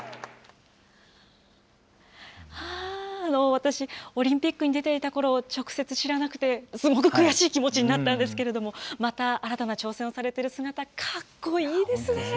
私、オリンピックに出ていたころを直接知らなくて、すごく悔しい気持ちになったんですけれども、また、新たな挑戦をされている姿、かっ本当